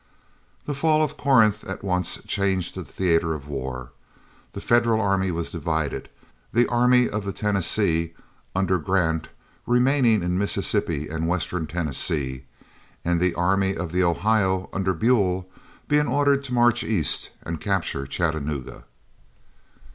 The fall of Corinth at once changed the theatre of war. The Federal army was divided, the Army of the Tennessee, under Grant, remaining in Mississippi and Western Tennessee, and the Army of the Ohio, under Buell, being ordered to march east and capture Chattanooga.